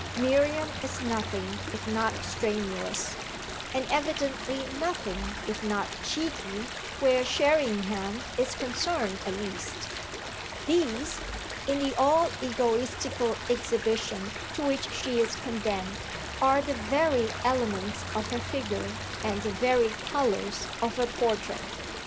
Miriam is nothing if not strenuous, and evidently nothing if not "cheeky," where Sherringham is concerned at least: these, in the all egotistical exhibition to which she is condemned, are the very elements of her figure and the very colours of her portrait.